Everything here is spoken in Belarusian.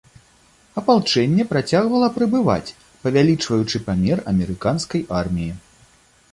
Апалчэнне працягвала прыбываць, павялічваючы памер амерыканскай арміі.